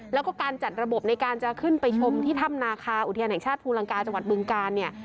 แล้วก็การจัดระบบในการจะขึ้นไปชมที่ถ้ำนาคาอุทยานแห่งชาติภูลังกาจังหวัดบึงกาลเนี่ย